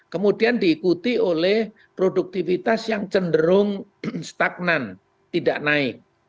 kemudian diikuti oleh produktivitas yang cenderung stagnan tidak naik